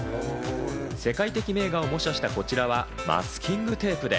世界的名画を模写したこちらはマスキングテープで。